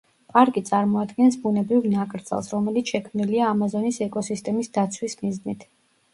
პარკი წარმოადგენს ბუნებრივ ნაკრძალს, რომელიც შექმნილია ამაზონის ეკოსისტემის დაცვის მიზნით.